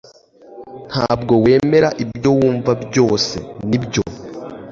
Ntabwo wemera ibyo wumva byose nibyo